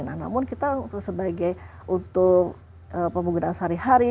nah namun kita sebagai untuk pemugunan sehari hari